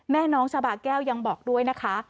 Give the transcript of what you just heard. น้องชาบาแก้วยังบอกด้วยนะคะ